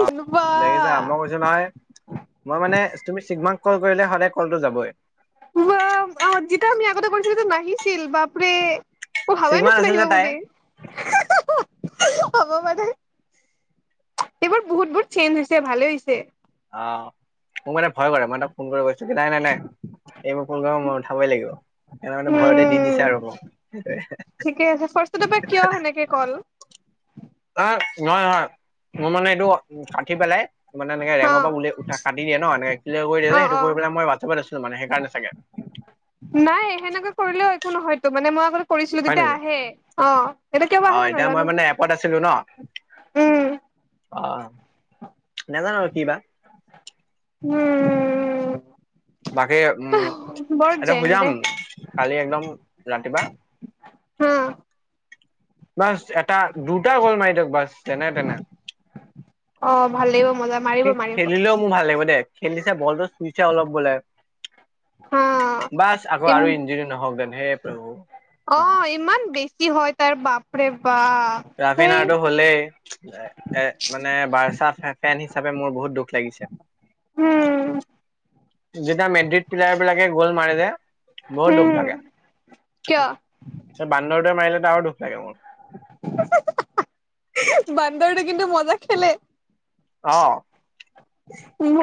অ' বা দেখিছা মই কৈছো নহয় মই মানে তুমি চিগমাক কল কৰিলে সদায়। কলতো যাবই। বা যিতিয়া আমি আগতে কৰিছিলো এইটো নাহিছিল বাপৰে। মই ভাবাই চিগমান নাছিলো আছিল আহিব যে তাই বুলি। হ'ব ব এইবোৰ বহুত বহুত চেঞ্জ হৈছে ভালে হৈছে। অ চকি নাই নাই নাই। এইবোৰ প্ৰগ্ৰাম ম উঠাবই লাগিব সেই কাৰণে ভয়তে দি উম দিছে আৰু মোক সেই। ফাৰ্ষ্টপ কিয় সেনেকে কল অ নহয় হয় মোৰ মানে এইটো কাটি পেলাই। মানে এনেক ৰেৰ অ পৰা উ উঠ কাটি দিয়ে ন এ ক্লাৰ কৰি দিয় যে অ সেইটো অ কৰি পাই মইাটছত আছিলো মানে সেইকাৰণোগে। [inaudible] নাই সেনেকে কৰিলেও একো নহয়তো মানে মই আ কৰিছিলো হয় তেতিয়া নেকি আহে অ এতিয়া কিয়বা আহা নাই নাজানো। উম অহ নেজানো আৰু কি বা। [inaudible] বাকী উম, বৰ এতিয়া জেং শুই যাম দে কালি একদম ৰাতিপুৱা হু। বাছ এটা দুটা গ'ল মাৰি দিয়ক বাছ তেনে তেনে অ ভাল লাগিব মজা মাৰিব সি মাৰিব খেলিলেও মোৰ ভাল লাগিব দেই, খেলিছে বলটো চুইচে অলপ বোলে। বাচ আকৌ হা আৰু ইনযুৰি নহওক দেন হেই প্ৰভু নহক। কি হয় তাৰ বাপৰে। বাপ ৰাফিন সেই আৰুটো হ'লেই এ মানে বাৰছা ফেন হিচাপে মোৰ বহুত দুখ লাগিছে। উম যেতিয়া মেড্ৰিদ পিলাৰ। [unintelligible] গল মাৰিলে বহুত দুখ হম লাগে, কিয় বান্দৰটোৱে মাৰিলে। দুখ লাগে মোৰ। বান্দৰটো কিন্তু মজা খেলে। অ'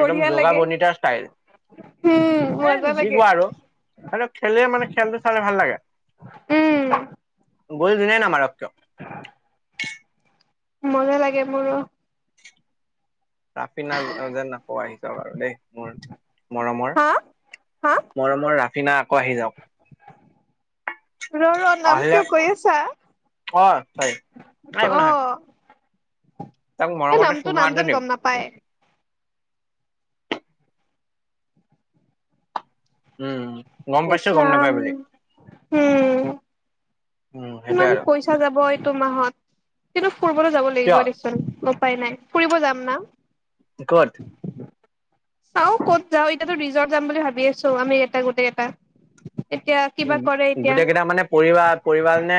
একদম যোগা লাগে বনিতা ষ্টাইল। উম এ মজা যি লাগে কোৱা আৰু, খেলে মানে খেলটো চালে ভাল লাগে। উম বল যোনে নামাৰক কিয়। [inaudible] [inaudible] মজা লাগে মোৰো। ৰাফিনা যেন আকৌ আহি যাব আৰু দেই মোৰ মৰমৰ। হা হা মৰমৰ ৰাফিনা আকৌ আহি যাওক। ৰ ৰ নাম আহিলে কিয় কৈ আছা অ' চাই নাই একো নহয়। তাক এ মৰমতে নামটো চুমা নাম এটা যেন দিম গম নাপায়। উম'। গম ইচ, পাইছো গম নাপাই বুলি ৰাম-উম। উম সেইটোয়ে ইমান আৰু পইচা যাব, এইটো মাহত কিন্তু ফূৰবলৈ যাব লাগিব কিয় দেচোন উপায় নাই। ফুৰিব যাম না। ক'ত চাও ক'ত যাও, এতিয়াতো ৰিজৰ্ট যাম বুলি ভাবি আছো, আমিকেটা গোটেকেটা। এতিয়া কিবা উম কৰে এতিয়া গোটেই কেইটা মানে পৰিবাৰ পৰিবাৰ নে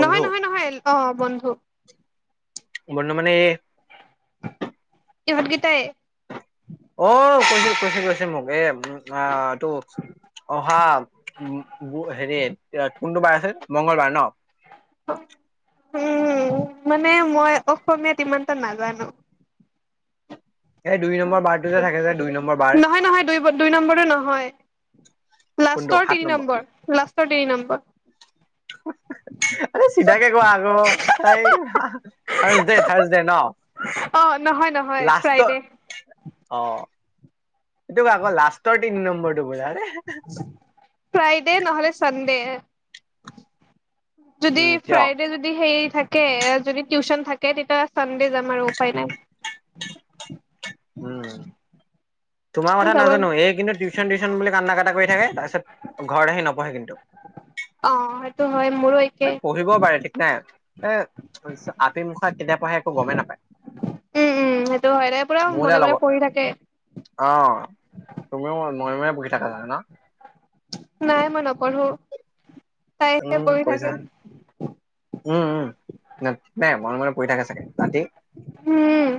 বন্ধু নহয়, নহয় অ' বন্ধু। বন্ধু মানে ইহঁত গিতাই। অ' কৈছে, কৈছে, কৈছে মোক এ উ আহ। টো অহা হেৰি এ কোনটো বাৰ আছিল। মঙলবাৰ ন'। [inaudible] উম, মানে মই অসমীয়াত ইমানটা নাজানো। এই দুই নম্বৰ বাৰটো যে থাকে যে দুই নম্বৰ বাৰ নহয়, নহয় দু-দুই নম্বৰে নহয়। কোনটো লাষ্টৰ সাত তিনি নম্বৰ লাষ্টৰ তিনি নম্বৰ চিধাকে কোৱা আকৌ এই থাৰছডে, থাৰছডে ন অ নহয় নহয় লাষ্ট ফ্ৰাইডে ট অ'। আকৌ লাষ্টৰ তিনি নম্বৰটো বলে আৰে-আৰে। এ নহ'লে চানডে যুদি উম কিয় ফ্ৰাইডে যুদি সেই থাকে [unintelligible] টিউচন থাকে তেতিয়া চানডে যাম আৰু উপায় নাই। উম, তোমাৰ কথা যাব নাজানো এই কিন্তু টিউচন, টিউচন বুলি কান্দা-কাটা কৰি [unintelligible] তাৰ পিছত ঘৰত আহি নপঢ়ে কিন্তু। অ' সেইটো হয় মোৰো। একে পঢ়িব পাৰে ঠিক নাই এ [unintelligible] আপিমুখা কেতিয়া পহে একো গমেই নাপায়, উম উম সেইটো হয় তাই পুৰা মোৰ মনে যাৰ মনে লগত পঢ়ি থাকে অ' তুমিও নৈময় বহি থাকা জানে ন। নাই মই নপঢ়ো। তাই এতিয়া উম কৰি কৰিছা থাকে। উম, উম, নাই ম মানে উম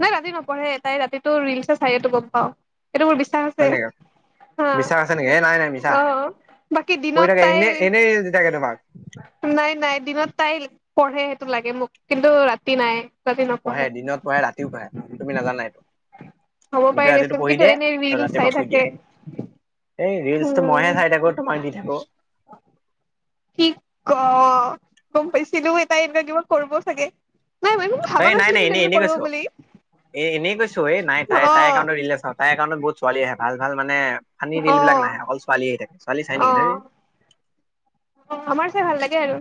নাই ৰাতি। পঢ়ে তাই ৰাতিটো ৰিলছে চাই এইটো গম পাও। এইটো মোৰ বিশ্বাস হয় আছে নেকি বিশ্বাস আছে নেকি এ নাই নাই মিছা হা অ। বাকী পঢ়ি থাকে দিনত এনে তাইৰ। এনেই দি থাকে তোমাক নাই নাই দিনত তাইৰ পঢ়ে সেইটো লাগে মোক কিন্তু ৰাতি নাই। ৰাতি পঢ়ে নপঢ়ে দিনত পঢ়ে ৰাতিও পঢ়ে তুমি নাজানা এইটো। হ'ব পাৰে গোটেই ৰাতিটো দেচোন পঢ়ি কিন্তু দিয়ে এনে ৰিল চাই ৰাতিপুৱা শুই থাকে দিয়ে। ৰিলচটো উম মইহে চাই থাকো তোমাক দি থাকো। কিক ক গম পাইছিলোএ তাই এনেকুৱা কিবা কৰিব চাগে। নাই মই একো ভাবা আৰে নাই নাছিলো নাই কিন্তু এনেই এনেকুৱা এনেই কৰিব কৈছো। বুলি এ এনেই কৈছো নাই তাই তাইৰ অ একাউণ্টত ৰীল নাচাও তাইৰ একাউণ্টত বহুত ছোৱালী আহে ভাল ভাল মানে। অ ফানি ৰিল বিলাক নাহে অকল ছোৱালী আহে ছোৱালী চাই অ নেকি ধেই আমাৰ চাই ভাল লাগে আৰু।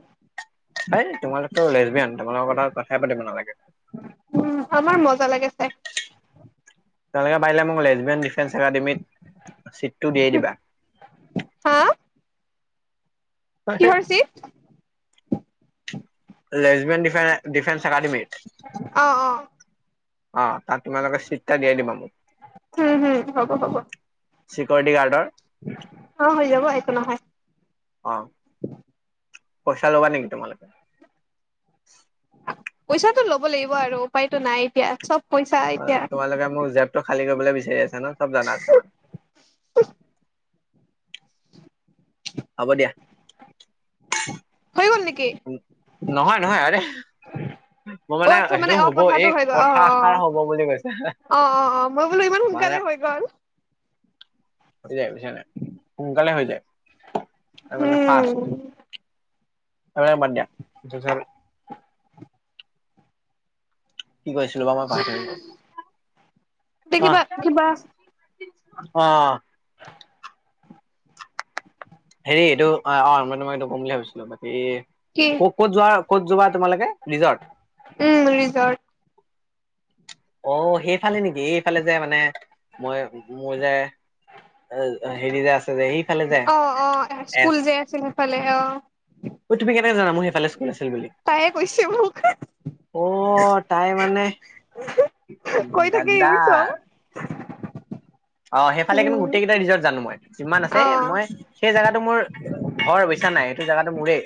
ধেই তোমালোকো লেছবিয়ান তোমালোকৰ লগত কথাই পাতিব নালাগে। উম আমাৰ মজা লাগে চাই তোমালোকে পাৰিলে মোক লেচবিয়ান ডিফেন্স একাডেমীত ছিটটো দিয়েই দিবা [inaudible] হা কিহৰ চিত? লেচবিয়ান ডিফেন্স একাডেমীত। অ অ অ তাত তোমালোকে চিট এটা দিয়াই দিবা মোক। উম হুম হ'ব হ'ব চিকৰটি গাৰ্ডৰ। অ', হৈ যাব একো নহয়। অ। পইচা ল'বা নেকি তোমালোকে। পইচাটো ল'ব লাগিব আৰু উপায়টো নাই এতিয়া চব। পইচা অ এতিয়া তোমালোকে মোক জেপটো খালী কৰিবলৈ বিচাৰি আ। জানো চব জানা আছে মই। হ'ব দিয়া। উ। উ নহয় নহয় আৰে। মোৰ মানে অ আচ্ছা হেইটো অ হব এ কথাটো হৈ গ'ল অ কথা এষাৰ হব অ বুলি কৈছে। অ অ অ মই বোলো ইমান মানে সোনকালে হৈ গল। হৈ যায় বুইচানে নাই সোনকালে হৈ যায় আৰু মানে উম ৰ্ফাষ্ট সেইবিলাক বাদ দিয়া [unintelligible] কি কৈ আছিলো বাৰু মই পাহৰি তে থাকিলো কিবা কিবা মাহ অঁ। হেৰি এইটো অ অ মই তোমাক এইটো কম বুলি ভাবিছিলো বাকী কি ক ক'ত যোৱা ক'ত যোৱা তোমালোকে ৰিজৰ্ট? উম ৰিজৰ্ট অ', হেইফালে নেকি এইফালে যে মানে মই মোৰ যে হেৰি যে আছে যে হেইফালে যে অঁ এ স্কুল এছ যে আছিল সেইফালে অ ঐ তুমি কেনেকে জানা মই সেইফালে আছো আছিল বুলি? তাইয়ে কৈছে মোক অ তাই মানে কৈ থাকে এইবোৰ গাদ্দাৰ। চব অ সেইফালে কিন্তু উম গোটেই কেইটাই ৰিজৰ্ট জানো মই, যিমান আছে অ মই সেই জেগাটো মোৰ হয় বুইছা নে নাই এইটো জাগাতো মোৰেই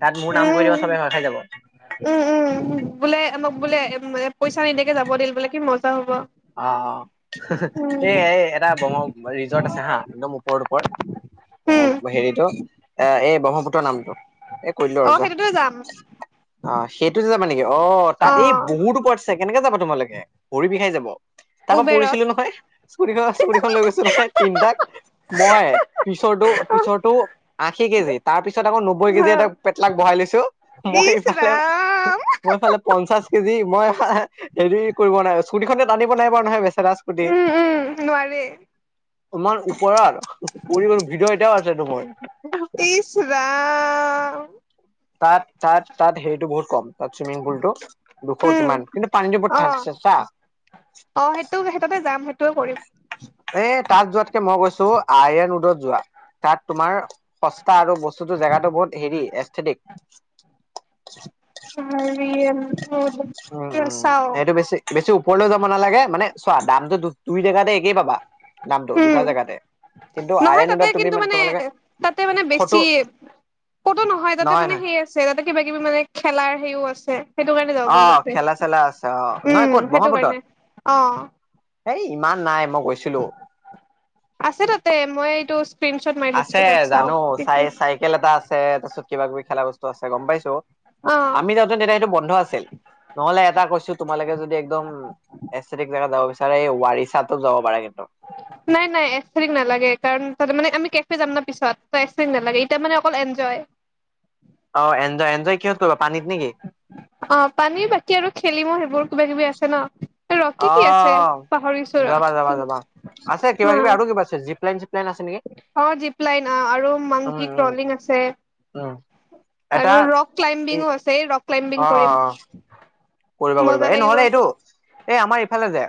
তাত মোৰ নাম কৈ দিব উম চবে ভয় খাই যাব উম উম উ উম বোলে [unintelligible] বোলে এ পইচা নিদিয়াকে যাব দিল বোলে কি মজা হ'ব। অ' উম অ' এই এটা [unintelligible] ৰিজৰ্ট আছে হা একদম উম [unintelligible] [unintelligible] হেৰিটো এ এই ব্ৰহ্মপুত্ৰ নামটো এই কৈ দিলো আৰু অ' যোৱা সেইটোতো যাম অ' সেইটোযে যাবা নেকি অ' অ তাত এই বহুত ওপৰত আছে কেনেকে যাবা তোমালোকে ভৰি বিষাই যাব। তাৰ পৰাা উবেৰত পৰিছিলো নহয় চুৰিখন চুৰিখন লৈ গৈছো নহয় তিনটাত মই [unintelligible] পিছৰটো পিছৰটো আশী কেজি তাৰ পিছত আকৌ নব্বৈ কেজি হা এটাক পেটলাক বহাই লৈছো মই [unintelligible] ইচ [unintelligible] ৰাম মইফালে পঞ্চাশ কেজি মই [unintelligible] হেৰি কৰিব নাই স্কুটি খনে টানিব নাই [unintelligible] নহয় বেছি উম উম নোৱাৰি [inaudible] পৰি গল ভিদ ইটাও আছেটো মোৰ ইচ ৰাম তাত তাত তাত হেৰিটো বহুত কম তাত চুইমিং পুলটো দুশ উম কিমান কিন্তু পানীটো বৰ অ ঠান চেঁচা অ' সেইটো সেইটাতে [unintelligible] এ তাত যোৱাতকে মই কৈছো আনৰেন উদত যোৱা তাত তোমাৰ সস্তা আৰু বস্তুটো জেগাটো বহুত হেৰি এস্থেটিক [inaudible] উম উম চাও এইটো বেছি বেছি [unintelligible] উপৰলৈও যাব নালাগে মানে চোৱা দামটো দু দুই জেগাতে একেই পাবা দামটো দুটা উম জেগাতে কিন্তু নহয় আইৰণ তাতে ৰোডত তুমি কিন্তু মানে তোমালোকে তাতে মানে বেছি ফটো ক'তো নহয় তাতে মানে সেই আছে তাতে কিবা কিবি মানে খেলাৰ সেইও আছে। সেইটো কাৰণে যাব অ মন তাতে খেলা চেলা আছে অ নহয় উম ক'ত সেইটো ব্ৰহ্মপুত্ৰত কাৰণে অ' এই ইমান নাই। মই গৈছিলো আছে তাতে মই এইটো [unintelligible] থৈছো আছে ৰ চাও জানো চাই কি চাইকেল এটা আছে তাপিছত কিবা কিবি খেলা বস্তু আছে গম পাইছো অ আমি যাওঁতে তেতিয়া সেইটো বন্ধ আছিল। নহলে এটা কৈছো তোমালোকে যদি একদম এস্থেটিক জাগাত যাব বিচ [unintelligible] [unintelligible] এই ৱাৰিচাতো যাব পাৰা কিন্তু নাই নাই এস্থেটিক নালাগে কাৰণ তাৰ মানে আমি [unintelligible] [unintelligible] যাম না পিছত ত এচথেটিক নালাগে এতিয়া মানে অকল এনজয় অ এনজয় এনজয় কিহত কৰিবা পানীত নেকি অ' পানী বাকী আৰু খেলিম সেই [unintelligible] কিবা কিবি আছে ন আছে অ' পাহৰিছো ৰ যাবা কি যাবা যাবা আছে কিবা হা কিবি আৰু কিবা আছে জিপ লাইন চিপ [unintelligible] অ' জীপ লাইন আৰু উম মাংকি উম ক্ৰলিং আছে উম এটা আৰু ৰক এই ক্লাইম্বিংও আছে ৰক অ ক্লাইম্বিং কৰিম অ কৰিবা মজা কৰিবা এই লাগিব নহলে এইটো এই আমাৰ ইফালে যে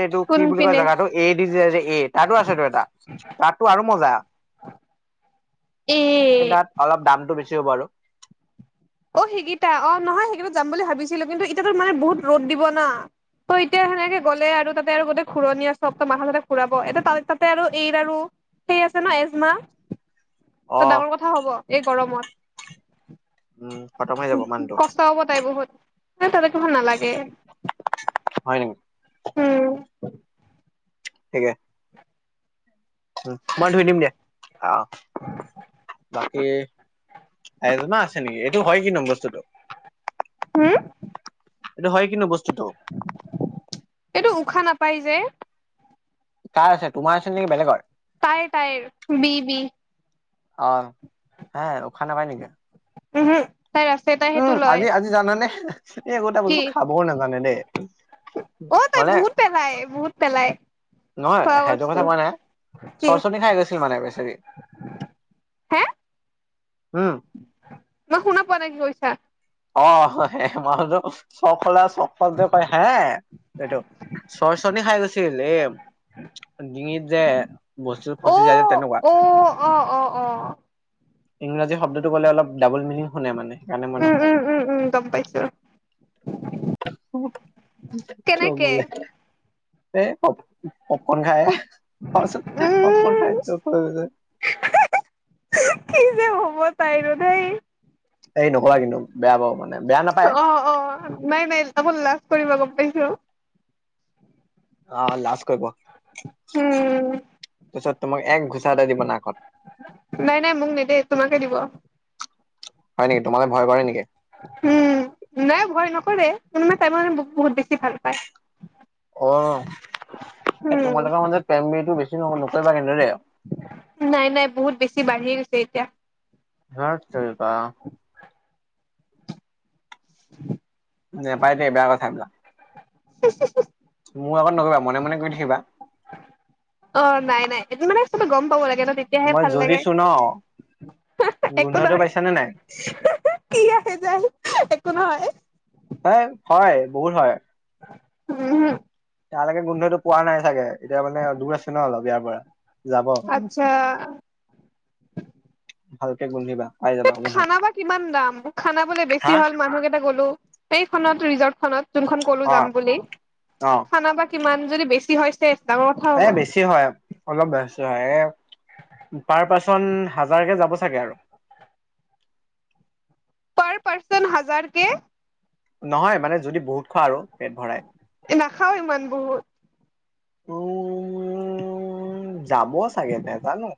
এইটো কোন কি বুলি কয় পিনে জেগাটো এ দি যে যা এ তাতো আছেটো এটা তাততো আৰু মজা এ সেই তাত অলপ দামটো বেছি হ'ব আৰু অ সেইকেইটা অ নহয় সেইকেইটাত [unintelligible] কিন্তু এতিয়াতো মানে বহুত ৰ'দ দিব না তই এতিয়া সেনেকে গ'লে আৰু তাতে আৰু গোটে খুৰণীয়া সব ত মাথা সাথা ঘোৰাব এতিয়া তা তাতে আৰু এইৰ আৰু সেই আছে ন এজমা, ত অ ডাঙৰ কথা হ'ব এই গৰমত। উম খতম হৈ যাব মানুহটো কষ্ট হব তাই বহুত। তাতে [unintelligible] নালাগে হয় নেকি উম। ঠিকে। [unintelligible] মই ধুই দিম দে অঁ [unintelligible] এই এজমা আছে নেকি? এইটো হয় কিনো বস্তুটো? হুম? এইটো হয় কি নো বস্তুটো? এইটো উশাহ নাপায় যে। কাৰাৰ আছে তোমাৰ আছে নেকি বেলেগৰ? তায়ে তাইৰ বি বি। অ হে উশাহ নেপাই নেকি? উহু উম আজি আজি জানানে এই গোটা কি বস্তু খাবও নাজানে দেই। অ তাই মানে বহুত পেলায় বহুত পেলায়। নহয় সেইটো কথা কোৱা নাই কি চৰ্চৰনি খাই গৈছিল মানে বেছেৰী। [inaudible] হে মই শুনা পোৱা নাই কি কৈছা? অ হ হে মই সদো চকফলা চকল যে ক হে এইটো। চৰ্চৰনি খাই গৈছিল এ। ডিঙিত যে বস্তু অ ফচিটো যায় যে তেনেকুৱা। অ অ অ অ ইংৰাজী শব্দটো ক'লে অলপ ডাবল মিনিং শুনে মানে সেইকাৰণে মই উম নকওঁ। উম উম উম গম পাইছো [unintelligible] চ কেনেকে বোলে হে এ খব পককন খাই, খোৱা পাছত পককন উম [unintelligible] কি যে হ'ব তাইৰো ধেই। [inaudible] এই নকবা কিন্তু বেয়া পাব মানে বেয়া নাপায়। অ অ নাই নাই আকৌ লাজ কৰিব গম পাইছো অ লাজ কৰিব উম তাছত তোমাক এক ঘোচা এটা দিব নাকত। নাই নাই মোক নিদে তোমাকে দিব। হয় নেকি তোমালে ভয় কৰে নেকি? উম নাই ভয় নকৰে মোনো মা টাই মৰে ব বহুত বেছি ভাল পায়। অ', এই উম তোমালোকৰ মাজত প্ৰেম প্ৰীতিটো বেছি ন' নকৰিবা কিন্তু দে। নাই নাই বহুত বেছি বাঢ়ি গৈছে এতিয়া। ধাত তেৰিকা। [inaudible] নেপাই দে বেয়া কথা এইবিলাক। [unintelligible] মোৰ আগত নকৰিবা মনে মনে কৰি থাকিবা। অ', নাই নাই এইটো মানে তুমি গম পাব লাগে ন' তেতিয়াহে মই ভাল লাগে। জ্বলিছো ন একো গোন্ধটো নহয়, পাইছানে নাই? [unintelligible] কি আহে যায়, একো নহয়। হয়, হয় বহুত হয়। উম, হুম, তালৈকে গোন্ধইটো পোৱা নাই চাগে, এতিয়া মানে দূৰ আছে ন' অলপ ইয়াৰ পৰা। যাব আচ্ছা, ভালকে গোন্ধিবা। পাই যাবা তাত গোন্ধটো। খানা বা কিমান দাম, মই খানা বোলে বেছি হা হ'ল মানুহ কেইটা গ'লো সেইখনত ৰিজৰ্ট। খনত, যোনখন ক'লো যাম অ', বুলি, অ', খানা বা কিমান, যদি বেছি হৈছে শে এ বেছি হয়, অলপ বেছি হয় এ, পাৰ পাৰ্চন হাজাৰকে যাব চা চাগে আৰু। পাৰ পাৰ্চন হাজাৰ কে? নহয় মানে যদি বহুত খোৱা আৰু, পেট ভৰাই। নাখাও ইমান বহুত। উম, যাব চাগে নেজানো।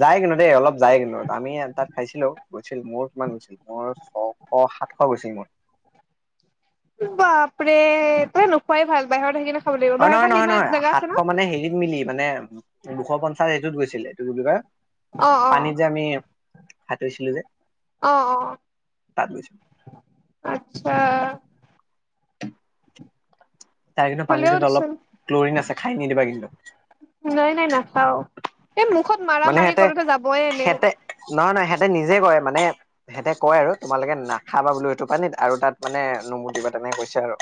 যায় কিন্তু দেই অলপ যায় কিন্তু আমি তাত খাইছিলোঁ গৈছিল মোৰ কিমান গৈছিল মোৰ ছশ সাতশ বৈছে মোৰ। বাপৰে তই নোখোৱাই ভাল বাহিৰত খাব লাগিব অ, বাহিৰত আহি মানে নহয়-নহয়-নহয় জেগা আছে ন সাতশ মানে হেৰিত মিলি মানে উ দুশ পঞ্চাশ হেইটোত গৈছিলে। কি বুলি কয়? অ অ পানীত যে আমি সাতুৰিছিলো যে অ-অ তাত গৈছিলো আচ্ছা, তাৰ কিন্তু হ'লেও পানীটোত অলপ দেচোন ক্ল'ৰিন আছে খাই নিদিবা কিন্তু। নাই নাই নাখাও এই মুখত মাৰা মানে মাৰি সিহঁতে কৰোঁতে যাবই এনেও সিহঁতে নহয় নহয় সিহঁতে নিজে কয় মানে সিহঁতে কয় আৰু তোমালোকে নাখাবা বোলো এইটো পানীত আৰু তাত মানে নমূতিবা তেনেকে কৈছে আৰু